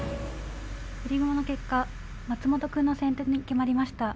振り駒の結果松本くんの先手に決まりました。